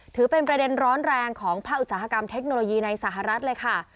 ถือเป็นประเด็นร้อนแรงของภาคอุตสาหกรรมเทคโนโลยีในสหรัฐเลยค่ะ